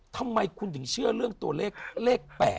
ทำไมคุณถึงเชื่อเรื่องตัวเลขเลข๘